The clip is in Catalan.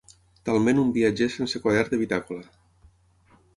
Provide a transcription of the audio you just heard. Talment un viatger sense quadern de bitàcola.